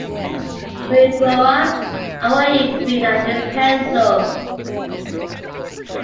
When you grow up, I want you to be like this pencil.